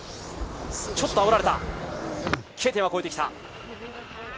ちょっとあおられた、Ｋ点は越えてきた。